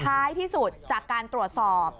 ท้ายที่สุดจากการตรวจสอบ